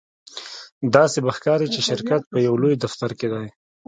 داسې به ښکاري چې شرکت په یو لوی دفتر کې دی